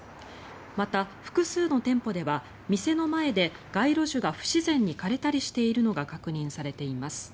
また複数の店舗では店の前で街路樹が不自然に枯れたりしているのが確認されています。